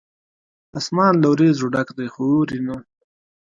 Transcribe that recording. اسمان له وریځو ډک دی ، خو اوري نه